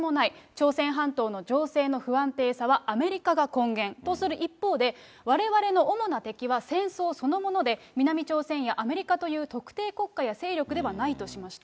朝鮮半島の情勢の不安定さはアメリカが根源とする一方で、われわれの主な敵は戦争そのもので、南朝鮮やアメリカという特定国家や勢力ではないとしました。